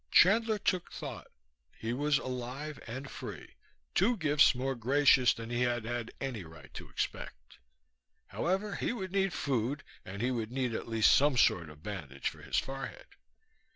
Chandler took thought. He was alive and free, two gifts more gracious than he had had any right to expect. However, he would need food and he would need at least some sort of bandage for his forehead.